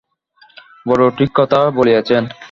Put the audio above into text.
বড়ো ঠিক কথা বলিয়াছেন।